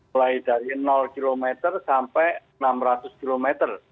mulai dari km sampai enam ratus km